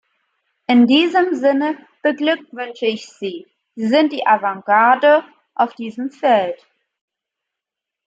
In diesem Sinne beglückwünsche ich Sie Sie sind die Avantgarde auf diesem Feld.